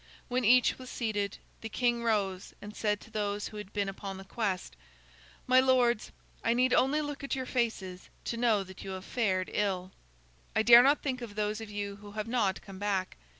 When each was seated, the king rose, and said to those who had been upon the quest: "My lords, I need only look at your faces to know that you have fared ill. I dare not think of those of you who have not come back.